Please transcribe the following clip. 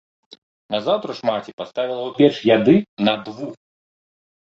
Назаўтра ж маці паставіла ў печ яды на двух.